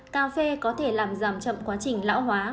một mươi một cà phê có thể làm giảm chậm quá trình lão hóa